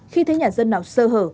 khi thấy nhà dân nào sơ hở